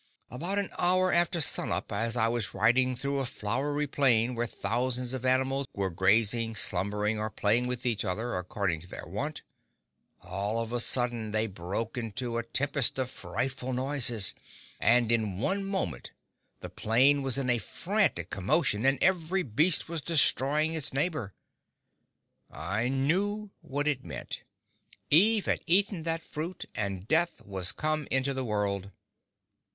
About an hour after sunup, as I was riding through a flowery plain where thousands of animals were grazing, slumbering, or playing with each other, according to their wont, all of a sudden they broke into a tempest of frightful noises, and in one moment the plain was in a frantic commotion and every beast was destroying its neighbor. I knew what it meant—Eve had eaten that fruit, and death was come into the world….